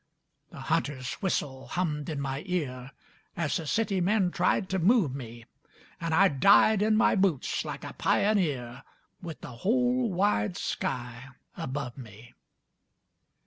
The hunter's whistle hummed in my ear As the city men tried to move me, And I died in my boots like a pioneer With the whole wide sky above me.